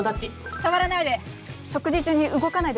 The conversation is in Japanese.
触らないで！